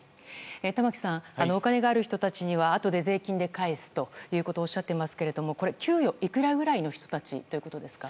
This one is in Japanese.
玉木さんお金がある人たちにはあとで税金で返すということをおっしゃっていますが給与いくらくらいの人たちということでしょうか。